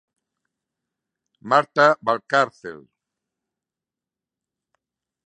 Marta Varcárcel.